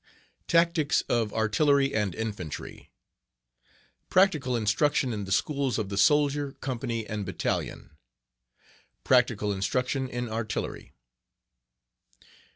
Tactics of Artillery......Practical Instruction in the and Infantry Schools of the Soldier, Company, and Battalion. Practical Instruction in Artillery.